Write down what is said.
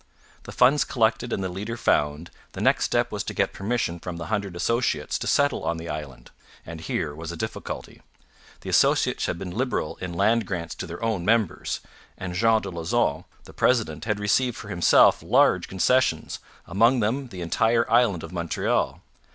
The funds collected and the leader found, the next step was to get permission from the Hundred Associates to settle on the island; and here was a difficulty. The Associates had been liberal in land grants to their own members; and Jean de Lauzon, the president, had received for himself large concessions, among them the entire island of Montreal.